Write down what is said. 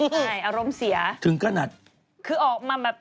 ใช่อารมณ์เสียถึงขนาดคือออกมาแบบ